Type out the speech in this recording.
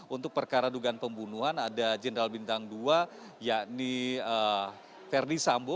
untuk perkara dugaan pembunuhan ada jenderal bintang dua yakni verdi sambo